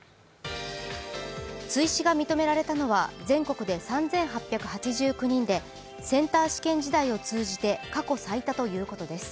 追試が認められたのは全国で３８８９人でセンター試験時代を通じて過去最多ということです。